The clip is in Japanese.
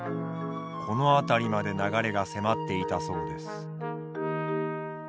この辺りまで流れが迫っていたそうです。